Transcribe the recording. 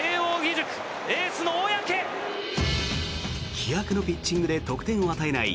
気迫のピッチングで得点を与えない